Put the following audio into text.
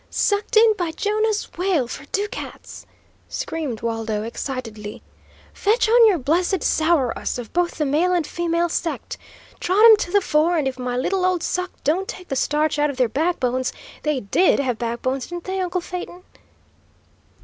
"Sucked in by Jonah's whale, for ducats!" screamed Waldo, excitedly. "Fetch on your blessed 'sour us' of both the male and female sect! Trot 'em to the fore, and if my little old suck don't take the starch out of their backbones, they DID have backbones, didn't they, uncle Phaeton?"